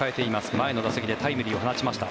前の打席でタイムリーを放ちました。